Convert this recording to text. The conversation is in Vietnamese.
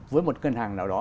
với một ngân hàng nào đó